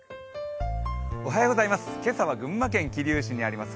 今朝は群馬県桐生市にあります